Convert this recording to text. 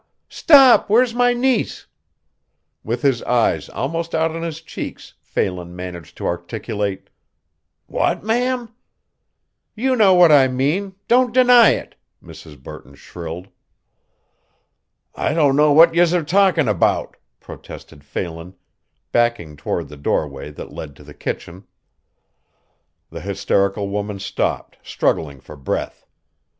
stop! Where's my niece?" With his eyes almost out on his cheeks Phelan managed to articulate: "What, ma'am?" "You know what I mean don't deny it!" Mrs. Burton shrilled. "I don't know what yez're talkin' about," protested Phelan, backing toward the doorway that led to the kitchen. The hysterical woman stopped, struggling for breath.